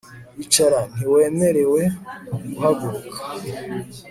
Icara Ntiwemerewe guhaguruka